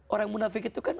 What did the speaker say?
orang munafik itu kan